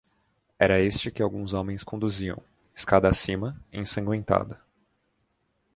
Era este que alguns homens conduziam, escada acima, ensangüentado.